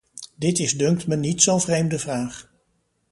Dit is dunkt me niet zo'n vreemde vraag.